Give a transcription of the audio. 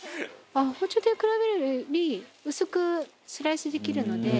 包丁と比べるより薄くスライスできるので。